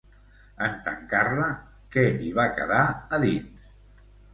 En tancar-la, què hi va quedar a dins?